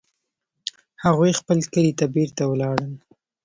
هغوی خپل کلي ته بیرته ولاړل